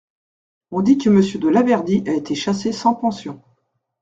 On dit que Monsieur de Laverdy a été chassé sans pension.